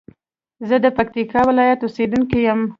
زه د پکتيا ولايت اوسېدونکى يم.